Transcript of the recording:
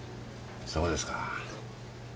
そうですか。